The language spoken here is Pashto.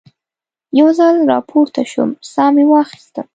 یو ځل را پورته شوم، ساه مې واخیسته.